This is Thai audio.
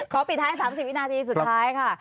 ปิดท้าย๓๐วินาทีสุดท้ายค่ะ